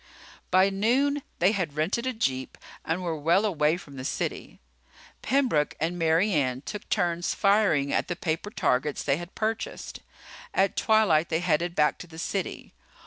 By noon they had rented a jeep and were well away from the city. Pembroke and Mary Ann took turns firing at the paper targets they had purchased. At twilight they headed back to the city.